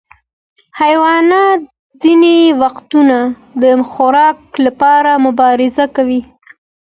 حیوانات ځینې وختونه د خوراک لپاره مبارزه کوي.